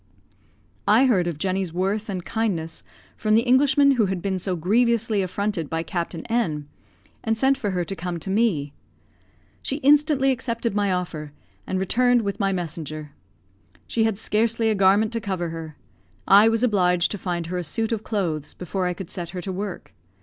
I heard of Jenny's worth and kindness from the Englishman who had been so grievously affronted by Captain N , and sent for her to come to me. She instantly accepted my offer, and returned with my messenger. She had scarcely a garment to cover her. I was obliged to find her a suit of clothes before I could set her to work.